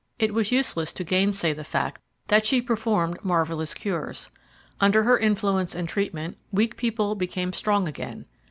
It was useless to gainsay the fact that she performed marvellous cures. Under her influence and treatment weak people became strong again.